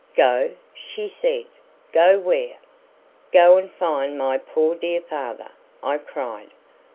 "Go!" she said. "Go where?" "Go and find my poor dear father," I cried.